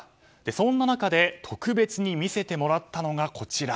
そんな中で特別に見せてもらったのがこちら。